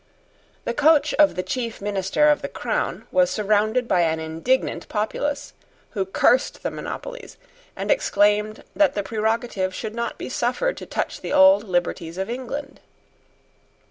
The coach of the chief minister of the crown was surrounded by an indignant populace, who cursed the monopolies, and exclaimed that the prerogative should not be suffered to touch the old liberties of England.